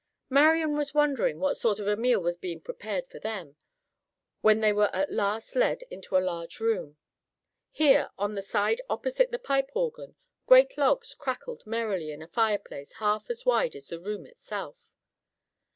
Marian was wondering what sort of meal was being prepared for them when they were at last led into the large room. Here, on the side opposite the pipe organ, great logs crackled merrily in a fireplace half as wide as the room itself.